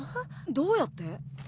どうやって？